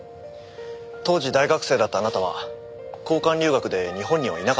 当時大学生だったあなたは交換留学で日本にはいなかったそうですね。